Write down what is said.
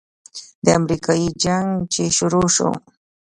د امريکې جنگ چې شروع سو.